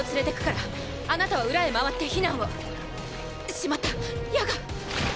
しまった矢が！